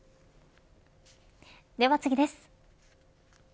では次です。